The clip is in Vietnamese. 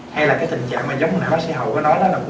hay là tình trạng giống như bác sĩ hậu nói